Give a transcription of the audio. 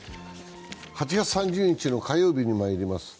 ８月３０日の火曜日にまいります。